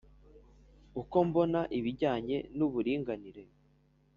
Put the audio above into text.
uko mbona ibijyanye n’uburinganire